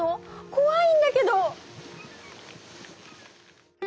こわいんだけど！